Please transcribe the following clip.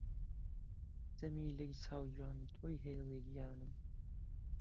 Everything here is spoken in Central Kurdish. جەمیلەی چاو جوان تۆی هێزی گیانم